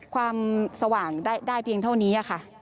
ความสว่างได้เพียงเท่านี้ค่ะ